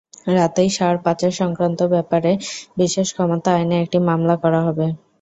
রাতেই সার পাচারসংক্রান্ত ব্যাপারে বিশেষ ক্ষমতা আইনে একটি মামলা করা হবে।